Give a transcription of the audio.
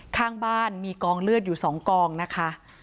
ข้างบ้านมีกองเลือดอยู่๒กองนะคะ